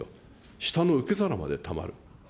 下の受け皿までたまる。